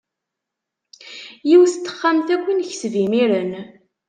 Yiwet n texxamt akk i nekseb imiren.